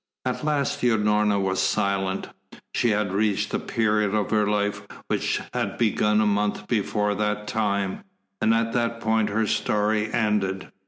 At last Unorna was silent. She had reached the period of her life which had begun a month before that time, and at that point her story ended.